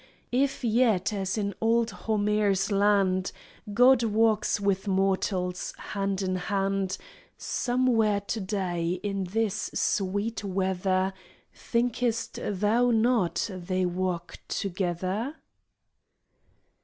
If yet, as in old Homer's land, Gods walk with mortals, hand in hand, Somewhere to day, in this sweet weather, Thinkest thou not they walk together?